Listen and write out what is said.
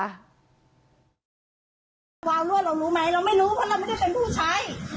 ความรั่วเรารู้ไหมเราไม่รู้ว่าเราไม่ได้เป็นผู้ใช้